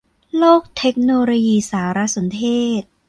โลกเทคโนโลยีสารสนเทศ